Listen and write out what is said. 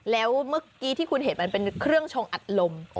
แล้วเมื่อกี้ที่คุณเห็นมันเป็นเครื่องชงอัดลม